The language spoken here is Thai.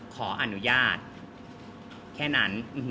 ขออนุญาตแค่นั้น